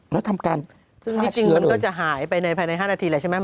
แล้วทำการฆ่าเชื้อเลยซึ่งจริงมันก็จะหายไปภายใน๕นาทีแหละใช่ไหม